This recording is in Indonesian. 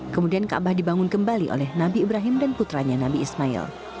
kemudian kaabah dibangun kembali oleh nabi ibrahim dan putranya nabi ismail